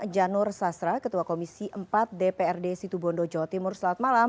janur sasra ketua komisi empat dprd situbondo jawa timur selat malam